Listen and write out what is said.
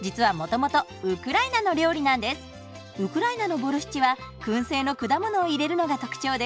ウクライナのボルシチはくん製の果物を入れるのが特徴です。